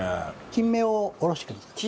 キンメをおろしてください。